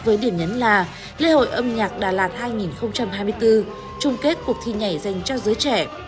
với điểm nhấn là lễ hội âm nhạc đà lạt hai nghìn hai mươi bốn trung kết cuộc thi nhảy dành cho giới trẻ